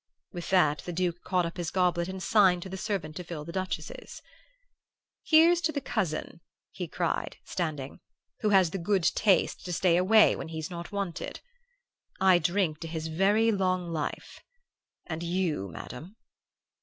"With that the Duke caught up his goblet and signed to the servant to fill the Duchess's. "'Here's to the cousin,' he cried, standing, 'who has the good taste to stay away when he's not wanted. I drink to his very long life and you, Madam?